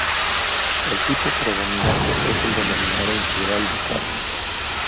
El tipo predominante es el denominado integral de carne.